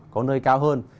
có nơi cao hơn